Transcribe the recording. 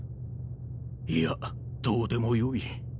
いやどうでもよい。